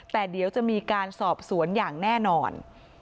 แต่เดี๋ยวจะมีการสอบสวนอย่างแน่นอน